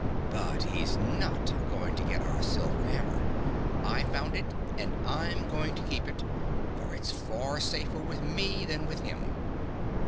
But he's not going to get our silver hammer. I found it, and I'm going to keep it, for it's far safer with me than with him.